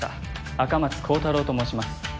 赤松幸太郎と申します。